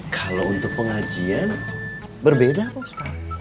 kalau untuk pengajian berbeda pak ustadz